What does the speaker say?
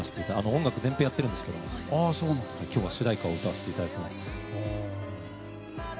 音楽全編をやっているんですけど今日は主題歌を歌わせていただきます。